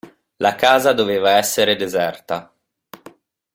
La casa doveva essere deserta.